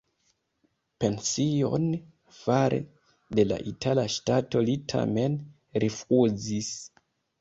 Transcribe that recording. Pension fare de la itala ŝtato li tamen rifŭzis.